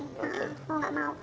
kalau nggak mau